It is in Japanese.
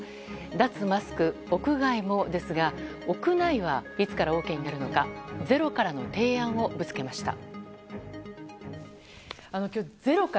脱マスク、屋外もですが屋内はいつからＯＫになるのか「ｚｅｒｏ」からの提案をぶつけました。